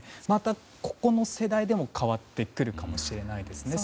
また、ここの世代でも変わってくるかもしれないです。